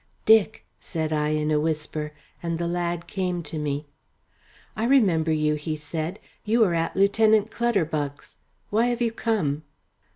"Dick," said I in a whisper, and the lad came to me. "I remember you," he said. "You were at Lieutenant Clutterbuck's. Why have you come?"